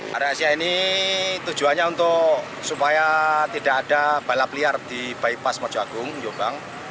hari asia ini tujuannya untuk supaya tidak ada balap liar di bypass mojo agung jombang